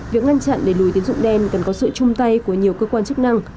việc ngăn chặn đẩy lùi tín dụng đen cần có sự chung tay của nhiều cơ quan chức năng